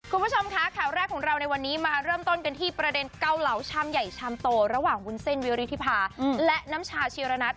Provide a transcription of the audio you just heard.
คุณผู้ชมคะข่าวแรกของเราในวันนี้มาเริ่มต้นกันที่ประเด็นเกาเหลาชามใหญ่ชามโตระหว่างวุ้นเส้นวิวริธิภาและน้ำชาชีระนัท